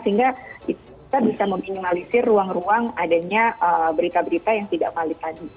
sehingga kita bisa meminimalisir ruang ruang adanya berita berita yang tidak valid tadi